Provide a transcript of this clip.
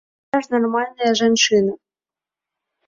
Я ж нармальная жанчына!